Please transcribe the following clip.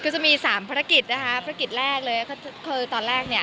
คือจะมีสามภารกิจนะคะภารกิจแรกเลยก็คือตอนแรกเนี่ย